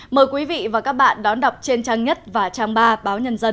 mời quý vị và các bạn đón đọc trên trang web